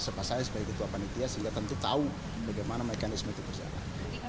serta saya sebagai ketua panitia sehingga tentu tahu bagaimana mekanisme itu berjalan